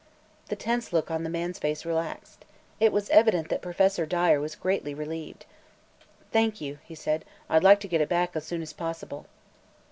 The tense look on the man's face relaxed. It evident that Professor Dyer was greatly relieved. "Thank you," he said; "I'd like to get it back as soon as possible."